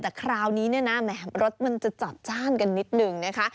แต่คราวนี้เนี่ยนะแหมรสมันจะจัดจ้านกันนิดนึงนะคะ